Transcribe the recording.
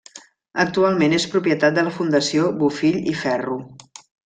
Actualment és propietat de la Fundació Bofill i Ferro.